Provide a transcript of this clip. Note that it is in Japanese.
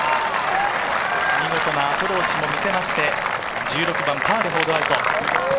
見事なアプローチを見せて、１６番パーでホールアウト。